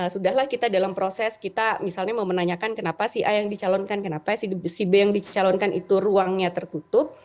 sudahlah kita dalam proses kita misalnya mau menanyakan kenapa si a yang dicalonkan kenapa si b yang dicalonkan itu ruangnya tertutup